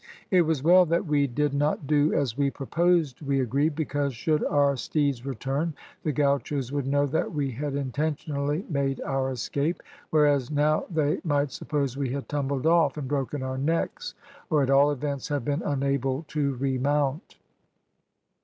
It was well that we did not do as we proposed, we agreed, because should our steeds return, the gauchos would know that we had intentionally made our escape, whereas now they might suppose we had tumbled off, and broken our necks, or, at all events, have been unable to remount.